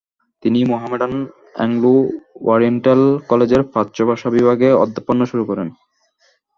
তিনি Mohammedan Anglo Oriental কলেজের প্রাচ্য ভাষা বিভাগে অধ্যাপনা শুরু করেন।